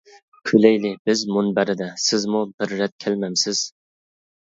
كۈلەيلى بىز مۇنبەردە، سىزمۇ بىر رەت كەلمەمسىز.